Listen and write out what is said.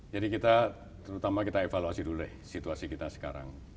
jadi kita terutama kita evaluasi dulu deh situasi kita sekarang